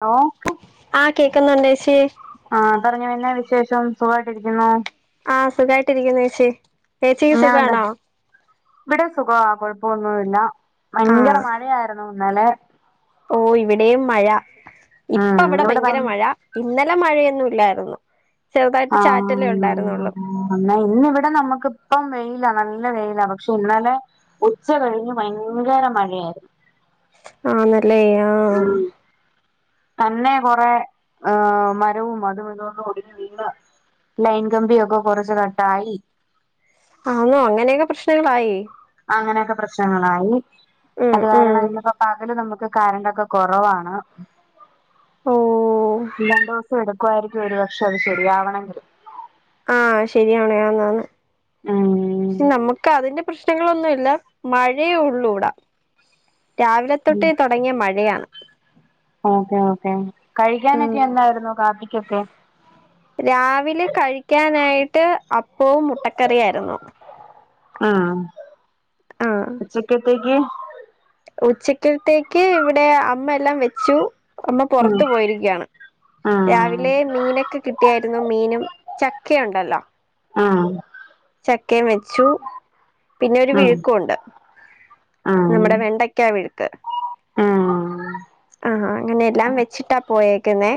നോക്ക്. ക്കുന്നുണ്ടേച്ചി. ആ പറഞ്ഞോ എന്നാ വിശേഷം സുഖായിട്ടിരിക്കുന്നോ? ആ സുഖമായിട്ടിരിക്കുന്നു ചേച്ചി. ഏച്ചിക്ക് എന്നാ ഉണ്ട് സുഖാണോ? ഇവിടെ സുഖാ കുഴപ്പമൊന്നുമില്ല. ഭയങ്കര ആഹ് മഴയായിരുന്നു. ഇന്നലെ ഓ ഇവിടെയും മഴ ഇപ്പ ഉം ഇവിടെ ഭയ ഭയങ്കര മഴ ഇന്നലെ മഴയൊ ഇല്ലായിരുന്നു. ചെറുതായിട്ട് ആ ചാറ്റലേ ഉണ്ടായിരുന്നുള്ളൂ എന്നാ ഇന്നിവിടെ നമ്മുക്കിപ്പം വെയി ലാ നല്ല വെയിലാ പക്ഷേ ഇന്നലെ ഉച്ച കഴിഞ്ഞ് ഭയങ്കര മഴയാരുന്നു. ആന്നല്ലേ ആഹ് ഉം തന്നെ കൊറേ ഏഹ് മരവും അതും ഇതുമൊക്കെ ഒടിഞ്ഞ് വീണ് ലൈൻ കമ്പിയൊക്കെ കൊറച്ച് കട്ടായി. ആന്നോ അങ്ങനെയൊക്കെ പ്രശ്നങ്ങളായി? അങ്ങനെയൊക്കെ പ്രശ്നങ്ങളായി. ഉം അത് ഉം കാരണം ഇന്നിപ്പോ പകല് നമുക്ക് കറണ്ടൊക്കെ കുറവാണ്. ഓ രണ്ടൂസം എട് ക്കോയ്രിക്കും ഒരുപക്ഷേ അത് ശരിയാവണെങ്കില് ആ ശരിയാണ് ആന്ന് ആന്ന് ഉം നമ്മുക്ക് അതിന്റെ പ്രശ്നങ്ങളൊന്നുൽ ല്ല മഴയുള്ളൂട രാവിലെ തൊട്ടെ തൊടങ്ങ്യ മഴയാണ് ഓക്കെ ഓക്കെ കഴിക്കാനൊക്കെ ഉം എന്തായിര്ന്നു കാപ്പി ച്ചൊക്കെ രാവിലെ കഴിക്കാനായിട്ട് അപ്പവും മുട്ടക്കറി ആയിരുന്നു ആഹ് ഉച്ചക്കത്തേയ്ക്ക് [unintelligible] ഉച്ചക്കൽത്തേക്ക് ഇവിടെ അമ്മ എല്ലാം വെച്ചു അമ്മ ആഹ് പൊറത്തു പോയിരിക്കാണ് ആഹ് രാവിലെ മീനൊക്കെ കിട്ടിയാര്ന്നു മീനും ചക്കേണ്ടല്ലോ ആഹ് ചക്കേംവെച്ചു പിന്നെ ഒരു ആഹ് വിഴുക്കുണ്ട് ആഹ് നമ്മുടെ വെണ്ടയ്ക്കാ വിഴുക്ക് ആ ആ ആ അങ്ങനെഎല്ലാം വെച്ചിട്ടാ പോയേക്ക്ന്നേ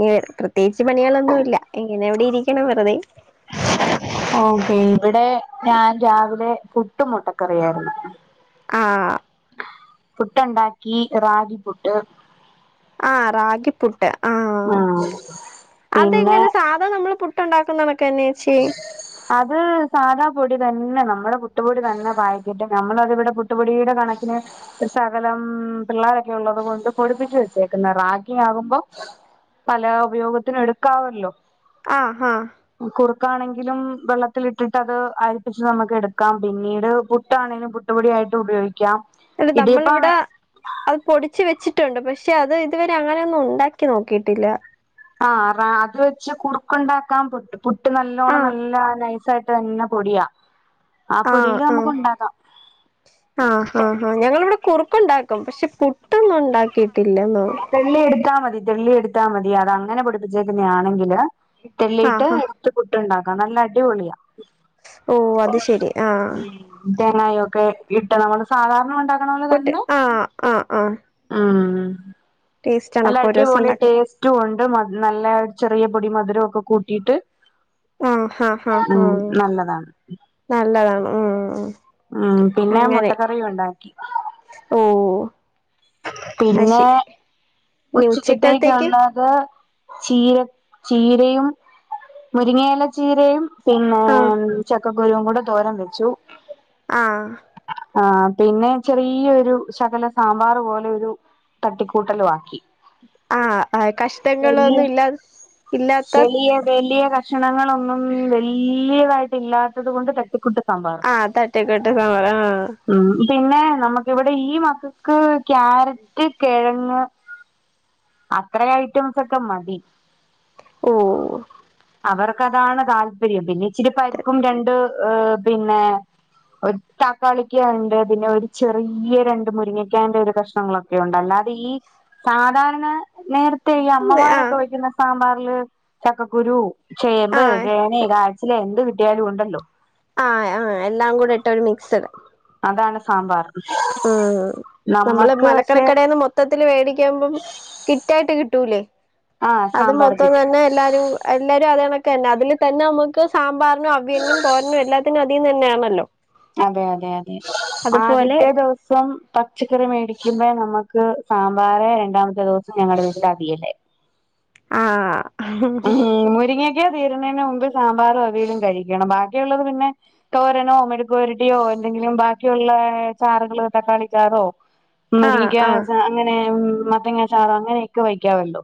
ഞാൻ പ്രത്യേയിച്ച് പണികളൊന്നുല്ല ഇങ്ങനെ ഇവിടെ ഇരിക്കണം വെറുതെ ഓക്കേ ഇവിടെ ഞാൻ രാവിലെ പുട്ടും മൊട്ടക്കറിയായിരുന്നു ആ പുട്ട് ഇണ്ടാക്കി റാഗി പുട്ട് ആ റാഗിപ്പുട്ട് ആഹ് ആ പിന്നെ ട്ടുണ്ടാക്കുന്നവൻ അത് സാധാ പൊടി ത പിന്നെ നമ്മടെ പുട്ടുപൊടി തന്നെ പായ്ക്കറ്റ് നമ്മളതിവിടെ പുട്ടുപൊടിയുടെ കണക്കിന് ശകലം പിള്ളേരൊക്കെ ഒള്ളത് കൊണ്ട് പൊടിപ്പിച്ച് വെച്ചേക്ക്ന്ന റാഗി ആകുമ്പം പല ഉപയോഗത്തിനും എടുക്കാവല്ലോ ആ ഹാ ക്കാണെങ്കിലും വെള്ളത്തിലിട്ടിട്ട് അത് അരിപ്പിച്ച് നമ്മക്ക് എടുക്കാം പിന്നീട് പുട്ടാണേലും പുട്ടുപൊടിയായിട്ടു ഉപയോ അല്ല നമ്മളിവിടെ അത് പൊടിച്ച് വെച്ച് ട്ടുണ്ട് പക്ഷെ അത് ഇതുവരെ അങ്ങനെയൊന്നും ഉണ്ടാക്കി നോക്കിയിട്ടില്ല ആ റാ അത് വെച്ച് കുറുക്ക്ണ്ടാക്കാം പറ്റും പുട്ട് നല്ലോണം ആഹ് നല്ലാ നൈസ് സായിട്ട് തന്നെ പൊടിയാ ആ പൊടിയില് ആ നമുക്ക് ഉണ്ടാക്കാം ആ ഹാ ഹാ ഞങ്ങളിവിടെ കുറുക്കുണ്ടാക്കും പക്ഷെ പു ട്ടന്ന് ഒണ്ടാ കിട്ടില്ലന്നോ ദെള്ളി എടുത്താ മതി അത് അങ്ങനെ പൊടിപ്പിച്ചേക്ക്ന്ന ആണെങ്കില് തെള്ളിയിട്ട് ആഹാ എടുത്ത് പു ട്ടുണ്ടാക്ക നല്ല അടിപൊളിയാ ഓ അത് ശരി ആ തേങ്ങയൊക്കെ ഇട്ട് നമ്മള് സാധാരണ ഒണ്ടാ പുട്ട് ആ ആ ആ ഉം നല്ല അടിപൊളി ടേസ്റ്റും ഒണ്ട് മ നല്ലാ ചെറിയ പൊടി മധുരൊക്കെ കൂട്ടിട്ട് ആ ഹാ ഹാ ഹാ നല്ലതാണ് ഉം ഉം പിന്നെ അങ്ങനെ മുട്ടക്കറിയുണ്ടാക്കി ഓ അത് പിന്നെ ശരി ഇനി ഉച്ചക്കത്തേക്ക് ഉച്ചക്കലത്തേക്ക് ഉള്ളത് ചീരക് ചീരയും മുരിങ്ങയില ചീരയും ആഹ് പിന്നേം ചക്ക് ക്കകുരുവും കൂടെ തോരൻ വെച്ചു ആ ആ പിന്നെ ചെറീയൊരു ശകലം സാമ്പാറും പോലെ ഒരു തട്ടിക്കൂട്ടലും ആക്കി ആഹ് വലിയ കഷ്ടങ്ങളൊന്നും ഇല്ലാ ഇല്ലാത്ത വലിയ വലിയ കഷണങ്ങളൊന്നും ഒന്നും വല്ലൃ പ്പായിട്ട് ഇല്ലാത്തതുകൊണ്ട് തട്ടിക്കൂട്ട് സാമ്പാർ ആ തട്ടിക്കൂട്ട് സാമ്പാറ് ആ ഉം പിന്നെ നമുക്ക് ഇവിടെ ഈ മക്കക്ക് ക്യാരറ്റ് കെഴങ്ങ് അത്ര ഐറ്റംസൊക്കെ മതി ഓ അവർകതാണ് താല്പര്യം പിന്നെച്ചിരി പരിപ്പും രണ്ട് പിന്നെ ഒര് ത്തക്കാളിക്ക് ണ്ട് പിന്നെ ഒരു ചെറിയ രണ്ട് മുരിങ്ങക്കാന്റൊര് കഷ്നങ്ങളൊക്കെ ഉണ്ട് അല്ലാതെ ഈ സാധാരണ നേർ ത്ത ഈ ആഹ് അമ്മമാരൊക്കെ വെക്കുന്ന സാമ്പാർ [unintelligible] ചക്കക്കുരു ചേമ്പ്, ആഹ് ചേന, കായ്ച്ചില് എന്ത് കിട് കിട്ടിയാലും ഉണ്ടല്ലോ ആ ആ എല്ലാം കൂടെ ഇട്ട ഒരു മിക്സ്ഡ് അതാണ് സാമ്പാർ ആ നമ്മള് നമ്മക്ക് പക്ഷെ മലക്കറിക്കടെന്ന് മൊത്തത്തില് വേടിക്കുമ്പം കിറ്റായിട്ട് കിട്ടൂല്ലേ ആഹ് അത് സാമ്പാർ മൊത്തം കിട്ടും തന്നെ എല്ലാരും എല്ലാരും അതണക് ക്കെ [unintelligible] അതിൽ തന്നെ നമുക്ക് സാമ്പാറിനും അവിയലിനും തോരനും എല്ലാത്തിനും അതീന്ന് തന്നെയാണല്ലോ. അതെ അതെ അതെ അതുപോലെ ആദ്യത്തെ ദിവസ് സം പച്ചക്കറി മേടിക്കുമ്പേ നമ്മുക്ക് സാമ്പാർ രണ്ടാമത്തെ ദിവസം ഞങ്ങടെ വീട്ടില് അവിയല്. ആ മ് മുരിങ്ങ ങ്ങ തീരുന്നെന് മുമ്പ് സാമ്പാറും അവിയിലും കഴിക്കണം, ബാക്കിയുള്ളത് പിന്നെ തോരനോ മെഴുക്ക്പെരട്ടിയോ എന്തെങ്കിലും ബാക്കിയുള്ള ചാറുകള് തക്കാളി ചാറോ ആഹ് മുരിങ്ങക്ക ആഹ് ചാ അങ്ങനെ മ് മത്തങ്ങ ചാറ് അങ്ങനെയൊക്കെ വെയ്ക്കാവല്ലോ.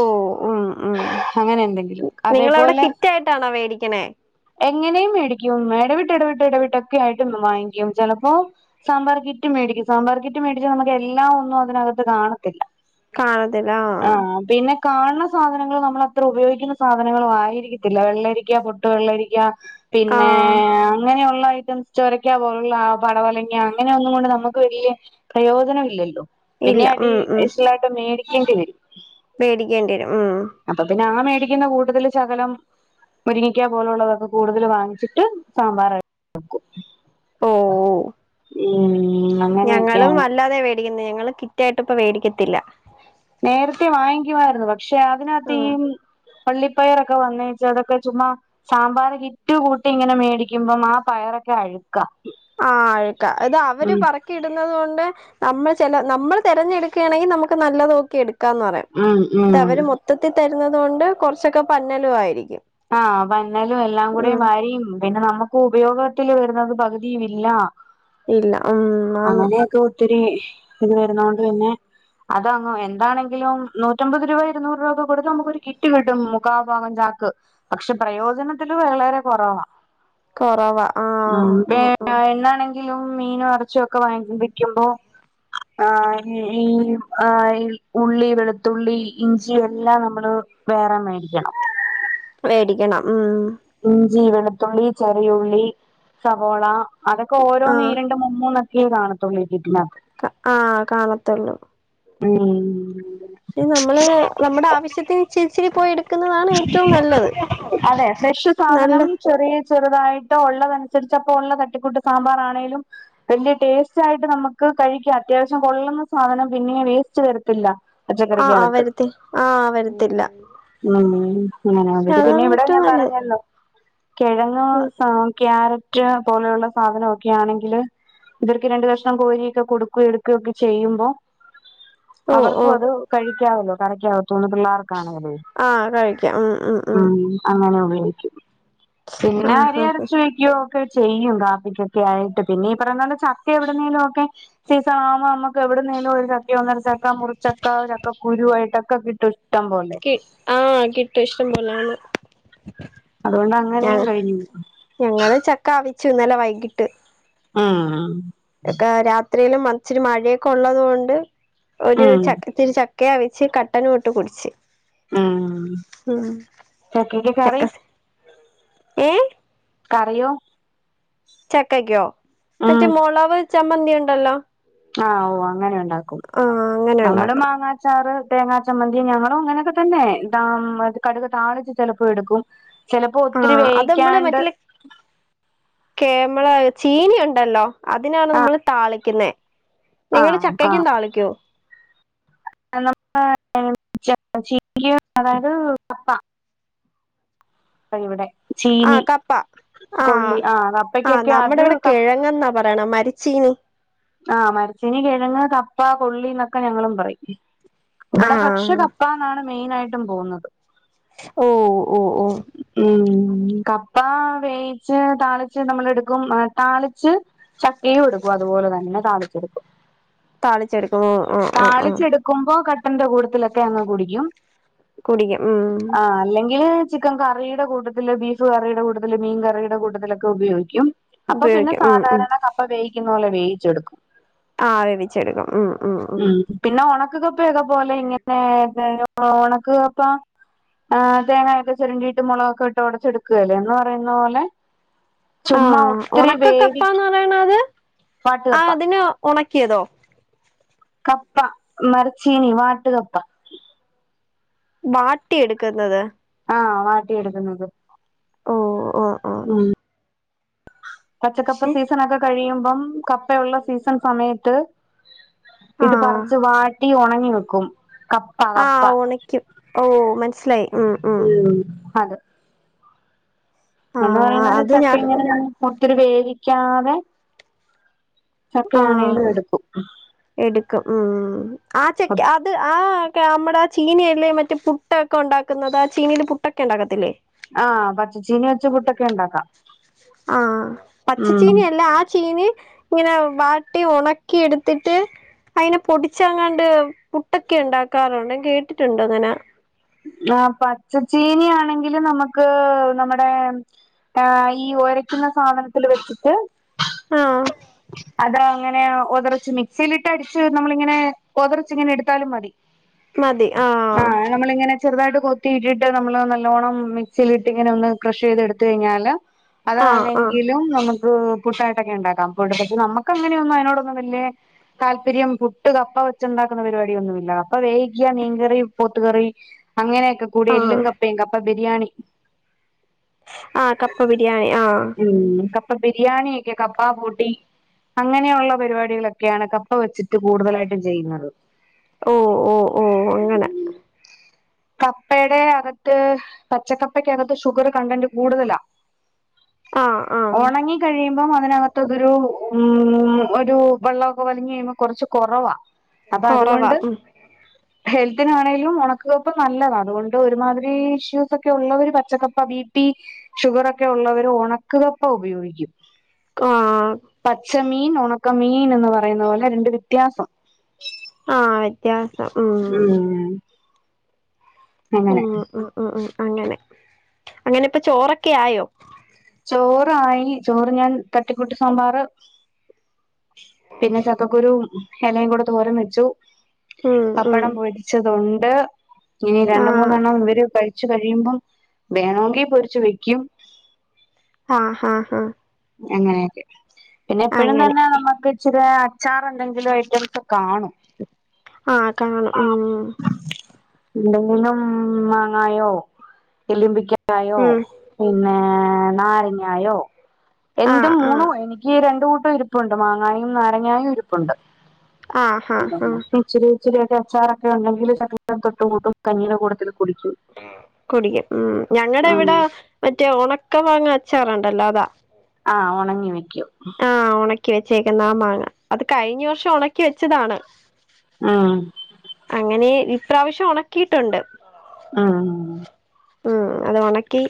ഓ ഉം ഉം എന്തെങ്കിലും നിങ്ങളവിടെ അതേപോലെ കിറ്റായിട്ടാണോ വേടിക്കണേ? എങ്ങനെയും മേടിക്കും ഇടവിട്ട് ഇടവിട്ട് ഇടവിട്ടൊക്കെ ആയിട്ട് വാങ്ങിക്കും ചിലപ്പോ സാമ്പാർ കിറ്റ് മേടിക്കും സാമ്പാർ കിറ്റ് മേടിച്ചാൽ നമുക്ക് എല്ലാം ഒന്നും അതിനകത്ത് കാണത്തില്ല കാണത്തില്ലാ ആഹ് കാണ സാധനങ്ങൾ നമ്മളത്ര ഉപയോഗിക്കുന്ന സാധനങ്ങളും ആയിരിക്കത്തില്ല വെള്ളരിക്ക പൊട്ട് വെള്ളരിക്ക പിന്നെ ആഹ് അങ്ങനെയുള്ള ഐറ്റംസ് ചോരക്ക പോലുള്ള പടവലങ്ങ അങ്ങനെ ഒന്നും കൊണ്ട് നമുക്ക് വലിയ പ്രയോജനം ഇല്ലല്ലോ പിന്നെ ഇല്ല അടീശനലായിട്ട് മേടി വേണ്ടി വരും വേടി ക്കേണ്ടിവരും ഉം അപ്പൊ പിന്നെ ആ മേടിക്കുന്ന കൂട്ടത്തിൽ ശകലം മുരിങ്ങിക്കാ പോലുള്ളതൊക്കെ കൂടുതൽ വാങ്ങിച്ചിട്ട് സാമ്പാറായി വെക്കും ഓ ഉം ഞങ്ങളും അങ്ങനെയൊക്കെയാണ് അല്ലാതെയാ മേടിക്കുന്നെ ഞങ്ങള് കിറ്റായിട്ട് ഇപ്പവേടിക്കത്തില്ല നേരത്തെ വാങ്ങിക്കുമായിരുന്നു പ പക്ഷെ ആഹ് അതിനകത്തെയും പള്ളിപ്പയറൊക്കെ വന്നേച്ച് അതൊക്കെ ചുമ്മാ സാമ്പാർ കിറ്റ് കൂട്ടി ഇങ്ങനെ മേടിക്കുമ്പം ആ പയറൊക്കെ അഴു ആ അഴ്ക്കാ ഇത് അവര് ഉം പറക്കിയിടുന്നത് കൊണ്ട് നമ്മൾ ചില നമ്മൾ തെരഞ്ഞെടുക്കുകയാണെങ്കിൽ നമുക്ക് നല്ലത് നോക്കി എട് കണക്കാന്ന് പറയാം ഉം എന്നിട്ട് ഉം അവര് മൊത്തത്തി തരു ന്നതു കൊണ്ട് കുച്ചൊക്കെ പന്നലും ആയിരിക്കും ആഹ പന്നലും എല്ലാം ഉം കൂടെയും വാരിയും പിന്നെ നമുക്ക് ഉപയോഗത്തിൽ വരുന്നത് പകുതിയും ഇല്ല. ഇല്ല ഉം ആണ് ഒത്തിരി ഇത് വരുന്നത് കൊണ്ട് പിന്നെ അതങ്ങ് എന്താണെങ്കിലും നൂറ്റമ്പത് രൂപ ഇരുന്നൂറ് രൂപ കൊടുത്ത് നമുക്കൊരു കിറ്റ് കിട്ടും മുക്കാഭാഗംചാക്ക്. പക്ഷെ പ്രയോജനത്തില് വളരെ കുറവാ. കുറവാ ആ ആ ആ എങ്കിലും, മീനും, ഇറച്ചിയൊക്കെ വാങ്ങിക്കുമ്പോ ആ ഈ ഈ ആ ഈ ഉള്ളി വെളുത്തുള്ളി ഇഞ്ചി എല്ലാം നമ്മള് വേറെ മേടിക്കണം. മേടിക്കണം മം മം ഇഞ്ചി വെളുത്തുള്ളി ചെറിയ ഉള്ളി സവോള അതൊക്കെ ഓരോന്ന് ആഹ് ഈരണ്ട് മൂമ്മൂന്ന്. യെകാണാത്തോള്ളൂ ഈ കിറ്റിനാത്ത് ആ കാണത്തോള്ളൂ. മം ഞി നമ്മള് നമ്മടെ ആവശ്യത്തിന്ഇച്ചിരി ച്ചിരി പോയി എടു [unintelligible] അതെ ഫ്രഷ് നല്ല സാധനം ചെറിയ ചെറുതായിട്ടോ ഉള്ളതനുസരിച്ചപ്പോഉള്ള തട്ടിക്കൂട്ട് സാമ്പാറാണേലും വല്ല്യ ടേസ്റ്റ്. ആയിട്ട് നമുക്ക് കഴിക്കാം അത്യാവശ്യം കൊള്ളുന്ന സാധനം പിന്നെ വേസ്റ്റ്. വരത്തില്ല. ആ ആ പച്ചക്കറിക്കകത്ത് വരുത്തി ആ വരത്തില്ല മം പക്ഷെ ഇങ്ങനെയൊക്കെ പിന്നെ അതാണ് ഇവിടെയും ഏറ്റവും ഞാൻ നല്ലത് പറഞ്ഞല്ലോ. കിഴങ്ങ് ഉം സാം ക്യാരറ്റ് റ്റ് പോലെയുള്ള സാധനക്കെ ആണെങ്കില് ഇവർക്ക് രണ്ടു കഷ്ണം കോരിയൊക്കെ കൊടുക്കോ. എടുക്കോക്കെ ചെയ്യുമ്പോ. ഓ ഓ അവർക്കും അത് കഴിക്ക. കഴിക്കാല്ലോ കറിക്യകത്ത് നിന്ന് പിള്ളേർക്ക്. കാണുന്നത് ആ കഴിക്കാം മം മം മം ഓക്കേ പിന്നെ അരി അരച്ച് വെക്കുവോക്കെ ചെയ്യും, കാപ്പിക്കൊക്കെ ആയിട്ട്, പിന്നെ, ഈ, പറയുന്നണ്ട് ചക്ക, എവിടുന്നേലും, ഒക്കെ സീസൺ, ആവുമ്പോ, നമ്മുക്ക് എവിടുന്നേലും, ഒരു, ചക്ക, ഒന്നര ചക്ക, മുറിച്ചക്ക, ചക്കകുരു ആയിട്ടൊക്കെ, കിട്ടും. ഇഷ്ടം പോലെ ക്ക്‌ ആഹ് കിട്ടും ഇഷ്ടം പോലാന്ന് അതുകൊണ്ട് ഞ അങ്ങനെയും കഴിഞ്ഞു ച്ചു ന്നലെ വൈകിട്ട് അ ആ [unintelligible] ത്രേലും മച്ചിരി മഴയൊക്കെ ഉള്ളതു കൊണ്ട് ഒരു ഉം ചട്ടിച്ച് ക്കെവിച്ച് കട്ടനുവിട്ട് കുടിച്ച് മ്മ് ഉം ചക്കക്ക് കറി ചക്ക ഏ കറിയോ ചക്കക്കോ മറ്റ ഉം മൊളവ് ചമ്മന്തി ഉണ്ടല്ലോ ആ ഓ അങ്ങനെ ക്കും ആഹ് അങ്ങനെ നമ്മടെ ഉണ്ടാക്കും മാങ്ങാച്ചാറ് തേങ്ങാ ചമ്മന്തി ഞങ്ങളും അങ്ങനെയൊക്കെ തന്നെ കടുക് താളിച്ച് ചെലപ്പൊ എട്ക്കും ചിലപ്പോ ഒത്തിരി ആഹ് അത് നമ്മള് വേവിക്കാണ്ട് നമ്മള ചീന ഉണ്ടല്ലോ അതിനാണ് ആഹ് നമ്മള് താളി ക്ക്ന്നെ നിങ്ങള് ആഹ് ചക്കയ്ക്കും ആഹ് താളിക്കോ [unintelligible] അതായത് കപ്പ അ ഇവിടെ ആ ചീനി കപ്പ ആ കൊള്ളി ആഹ് ആ കപ്പയ്ക്കൊക്കെ നമ്മടെ അത് ഇവിടെ ക കിഴങ്ങെന്നാ പറയണ മ രച്ചീനി ആ മരച്ചിനി കിഴങ്ങ് കപ്പ കൊള്ളി ന്നൊക്കെ ഞങ്ങളും പറയും ഇവിടെ പക്ഷെ ആഹ് കപ്പ എന്നാണ് മെയിനായ് ട്ടും പോവുന്നത് ഓ ഓ മ്മ് കപ്പ വേവിച്ച് താളിച്ച് നമ്മള് എട്ക്കും താളിച്ച് ചക്കയും എടുക്കും അതുപോലെ തന്നെ താളിച്ചെട്ക്കും താളിച്ചെടുക്കുവോ ഒ ഒ ഓ പ്പന്റെ കൂട്ത്തിലൊക്കെ അങ്ങ് കുടിക്കും കുടിക്ക്യും മ്മ് ആ അല്ലെങ്കിൽ ചിക്കൻ കറിയുടെ കൂട്ടത്തില് ബീഫ് കറിയുടെ കൂട്ടത്തിൽ മീൻ കറിയുടെ കൂട്ടത്തിലൊക്കെ ഉപയോഗിക്കും അപ്പൊ പിന്നെ ഉപയോഗിക്കും ഉം സാധാരണ കപ്പ വേവിക്കു ന്നോലെ വേയിച്ചെടുക്കും ആ വേവിച്ചെടുക്കും ഉം ഉം ഉം കപ്പയൊക്ക പോലെ ഇങ്ങനെ [inaudible] ഒണക്ക് കപ്പ ആ തേങ്ങാ ഒക്കെ ചെരണ്ടീട്ട് മൊളകൊക്കെ ഇട്ട് ഒടച്ച് എടുക്കുവേലേ എന്ന് പറയുന്ന പോലെ ആ ചുമ്മാ ഒത്തിരി ഒണക്ക വേവി കപ്പാന്ന് പറയണത് ആ വാട്ടുകപ്പ അതിനെ ഒണക്കിയതോ കപ്പ മരച്ചീനി വാട്ട് കപ്പ വാട്ടി എടുക്കുന്നത് ആ വാട്ടിയെടുക്കുന്നത് ഉം ഉം ഉം പച്ചക്കപ്പ പക്ഷെ സീസണൊക്കെ കഴിയു മ്പം കപ്പയുള്ള സീസൺ സമയത്ത് ഇത് പറിച്ച് വാട്ടി ഒണ ങ്ങി വക്കും ആ ഒണക്കും ഓ മനസ്സിലായി ഉം ഉം ഞങ്ങള് പറയുന്ന ആഹ് പോലെ അത് ഞാ ചക്കയും ഇങ്ങനെയാണ് ഒത്തിരി വേവിക്കാതെ ചക്ക ആണേലും എടുക്കും ത്തു ഉം ആ ചെക്ക് അത് ആ ക നമ്മടെ ചീനിയില്ലേ മറ്റേ പുട്ട് ഒക്കെ ഒണ്ടാക്കുന്നത് ആ ചീനീല് പുട്ടൊക്കെ ഒണ്ടാക്കത്തില്ലേ? ആഹ് പച്ചച്ചീനി വച്ച് പുട്ടൊക്കെ ഒണ്ടാക്കാം ആഹ് ഉം പച്ചച്ചീനിയല്ല ആ ചീനി ഇങ്ങനെ വാട്ടി ഒണ ക്കി എടുത്തിട്ട് അയിനെ പൊടിച്ച് എങ്ങാണ്ട് പുട്ടൊക്കെ ഇണ്ടാക്കാറുണ്ട് ഞാൻ കേട്ടിട്ടുണ്ട് അങ്ങനെ. ആ പച്ചച്ചീനി ആണെങ്കിലും നമുക്ക് നമ്മുടെ ഈ ഒരയ്ക്കുന്ന സാധനത്തില് വെച്ചിട്ട് ആഹ് അത് അങ്ങനെ ഒതറിച്ച് മിക്സിലിട്ട് അടി ച്ച് നമ്മളിങ്ങനെ ഒത ച്ചിങ്ങനെ എടുത്താലും മതി. മതി ആഹ് ചെറുതായിട്ട് കൊത്തിയിട്ടിട്ട് നമ്മള് നല്ലോണം മിക്സിയിലിട്ട് ഇങ്ങനെ ഒന്ന് ക്രഷ് ചെയ്ത് എടുത്ത് കഴിഞ്ഞാല് ആഹ് ആഹ് അതാണെങ്കിലും നമു പുട്ടായിട്ടൊക്കെ ണ്ടാക്കാം [inaudible] പക്ഷെ നമുക്ക് അങ്ങനെയൊന്നും അയിനോടൊന്നും വല്യ താല്പര്യം പുട്ട് കപ്പ വെച്ചുണ്ടാക്കുന്ന പരിപാടിയൊന്നുമില്ല കപ്പ വേവിക്ക്യ മീൻകറി പോത്ത് കറി അങ്ങനെയൊക്കെ കൂടി ആഹ് എല്ലും കപ്പയും കപ്പ ബിരിയാണി ആഹ് കപ്പ ബിരിയാണി ആഹ് ഇപ്പൊ ബിരിയാണിയൊക്കെ കപ്പാ പൂട്ടി അങ്ങനെയുള്ള പരിപാടികളൊക്കെയാണ് കപ്പ വെച്ചിട്ട് കൂടുതലായിട്ടും ചെയ്യുന്നത് ഓ ഓ ഓ അങ്ങനെ കപ്പയുടെ അകത്ത് പച്ചക്കപ്പക്കകത്ത് ഷുഗർ കണ്ടന്റ് കൂടുതലാ ആഹ് ആഹ് ഉണങ്ങി കഴിയുമ്പോ അങ്ങന അകത്തതൊരു ഉം ഒരു വെള്ളമൊക്കെ വലിങ്ങ കഴിയുമ്പോൾ കുറച്ച് കുറവാ കൊറവാ ഉം ഹെൽത്തിനാണെങ്കിലും ഉണക്ക ഇപ്പ നല്ലതാണ് അതുകൊണ്ട് ഒരുമാതിരി ഇഷ്യൂസ് ഒക്കെ ഉള്ളവര് പച്ചക്കപ്പ ബി പി ഷുഗർൊക്കെ ഉള്ളവർ ഉണക്ക കപ്പ ഉപയോഗിക്കും ആഹ് പച്ച മീൻ ഉണക്ക മീൻ എന്ന് പറയുന്ന പോലെ രണ്ട് വ്യത്യാസം ആഹ് വെത്യാസം ഉം അങ്ങനെ ആഹ് ആഹ് അഹ് അങ്ങനെ അങ്ങനെ ഇപ്പൊ ചോറൊക്കെ ആയോ ചോറായി ചോറ് ഞാൻ തട്ടിക്കുട്ടി സാമ്പാറ് പിന്നെ ചക്കക്കുരുും ഇലയും കൂടെ തോരം വെച്ചു ഉം ഉം പപ്പടം പൊരിച്ചത് കൊണ്ട് ണ്ട് ഇനി രണ്ട് ആഹ് മൂന്നെണ്ണം ഇവര്ഴ [unintelligible] കഴിയുമ്പം വേണമങ്കിൽ പൊരിച്ച് വെക്കും ആഹ് ഹഹ ഹഹ അങ്ങനെയൊക്കെ പിന്നെ എപ്പോഴും അങ്ങനെ തന്നെ നമ്മുക്ക് ഇച്ചിരെയെ അച്ചാർ എന്തെങ്കിലും ഐറ്റംസ് കാണും ആ കാണും ഉംമ് എന്തെങ്കിലും മാങ്ങായോ എലുമ്പിക്ക ക്കയോ ഉം പിന്നെ [unintelligible] നാരങ്ങായോ ആഹ് എന്തും മൂണു ആഹ് എനിക്ക് രണ്ട് ഇരിപ്പുണ്ട് മാങ്ങായും നാരങ്ങായും ഇരിപ്പുണ്ട് ആ ഹഹആ ഇച്ചിരി ഇച്ചിരിയൊക്കെ അച്ചാർഒക്കെ ഉണ്ടങ്കില് കഞ്ഞിടെ ക്കെ തൊട്ടു കൂട്ടും കഞ്ഞിടെ കൂടത്തിലും കുടിക്കും ഉ ഞങ്ങടെ ഉം ഇവിടെ മറ്റേ ഒക്കെ വാങ്ങാ അച്ചാറുണ്ടല്ലോ അതാ ആ ഉണങ്ങി വെക്കൂ [unintelligible] കി വെച്ചേക്കുന്ന ആ മാങ്ങ അത് കഴിഞ്ഞ വർഷം ഉണക്കി വെച്ചതാണ്. ആഹ് അങ്ങനെ ഇപ്രാവശ്യം ഉണക്കിയിട്ടുണ്ട്. ആഹ് ഉം, അത് ഒണക്കി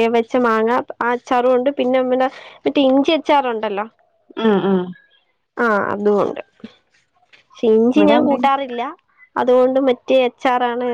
ഏ വച്ച മാങ്ങ ആ അച്ചാറും ഉണ്ട്, പിന്നെ പിന്നെ മറ്റേ ഇഞ്ചി അച്ചാറും ഉണ്ടല്ലോ. ആ, ആ ആ അതും ഉണ്ട്. ഇഞ്ചി ഇവിടെ ഞാൻ എന്തായി കൂട്ടാറില്ല. അതുകൊണ്ട് മറ്റേ അച്ചാർ ആണ്